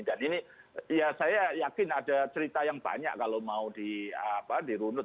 dan ini saya yakin ada cerita yang banyak kalau mau dirundut